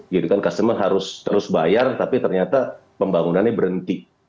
jadi kan customer harus terus bayar tapi ternyata pembangunannya berhenti